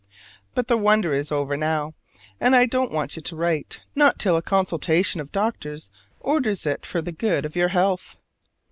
But the wonder is over now; and I don't want you to write not till a consultation of doctors orders it for the good of your health.